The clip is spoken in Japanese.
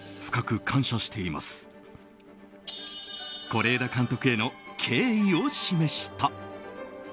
是枝監督への敬意を示した。